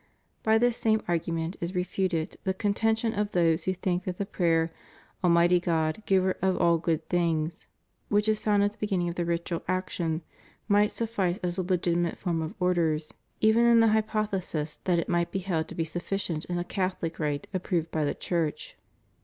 By this same argument is refuted the contention of those who think that the prayer "Almighty God, giver of all good things" which is found at the beginning of the ritual action, might suffice as a legitimate form of Orders, even in the hypothesis that it might be held to be sufficient in a CathoUc rite approved by the Church.